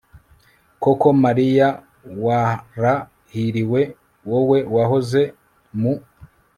r/ koko mariya warahiriwe, wowe wahoze mu